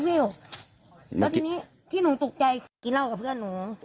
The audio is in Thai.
แล้วทีนี้ที่หนูตกใจคือกินเหล้ากับเพื่อนหนู